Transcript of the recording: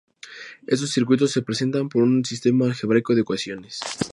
Estos circuitos se representan por un sistema algebraico de ecuaciones.